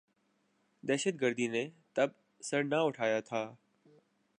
دہشت گردی نے تب سر نہ اٹھایا تھا۔